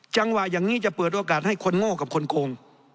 จังหวะอย่างนี้จะเปิดโอกาสให้คนโง่กับคนโกง